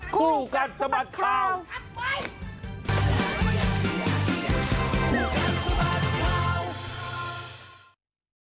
คู่กันสมัสข่าวครับไป